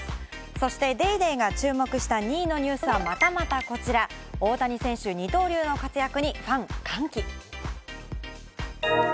そして『ＤａｙＤａｙ．』が注目した２位のニュースは、またまたこちら、大谷選手、二刀流の活躍にファン歓喜。